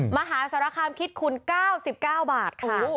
มหาสารคามคิดคุณ๙๙บาทค่ะ